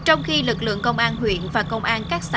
trong khi lực lượng công an huyện và công an các thị trấn